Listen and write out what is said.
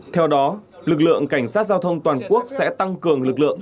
theo đó lực lượng cảnh sát giao thông toàn quốc sẽ tăng cường lực lượng